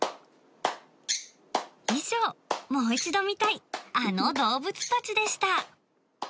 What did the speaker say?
以上、もう一度見たいあの動物たちでした。